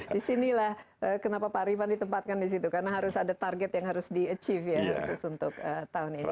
disinilah kenapa pak rifan ditempatkan di situ karena harus ada target yang harus di achieve ya khusus untuk tahun ini